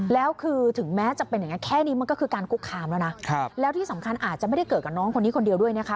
แล้วคือถึงแม้จะเป็นอย่างนี้แค่นี้มันก็คือการคุกคามแล้วนะแล้วที่สำคัญอาจจะไม่ได้เกิดกับน้องคนนี้คนเดียวด้วยนะคะ